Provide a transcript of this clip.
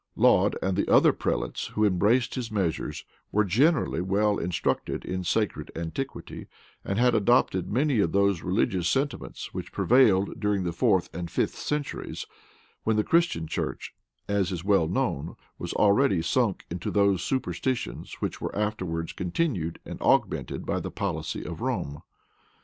Laud, and the other prelates who embraced his measures, were generally well instructed in sacred antiquity, and had adopted many of those religious sentiments which prevailed during the fourth and fifth centuries; when the Christian church, as is well known, was already sunk into those superstitions which were afterwards continued and augmented by the policy of Rome.